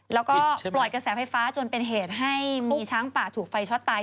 แล้วก็ปล่อยกระแสไฟฟ้าจนเป็นเหตุให้มีช้างป่าถูกไฟช็อตตาย